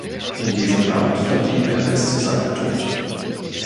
In diesem Amt verblieb er bis zu seinem Tod.